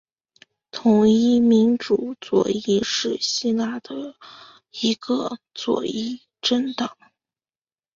统一民主左翼是希腊的一个左翼政党。